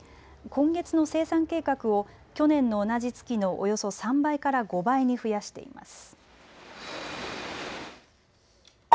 今月の生産計画を去年の同じ月のおよそ３倍から５倍に増やしています。